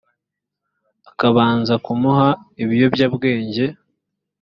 akabanza kumuha ibiyobyabwenge